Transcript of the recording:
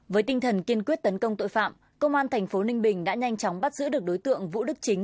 với tinh thần kiên quyết tấn công tội phạm công an thành phố ninh bình đã nhanh chóng bắt giữ được đối tượng vũ đức chính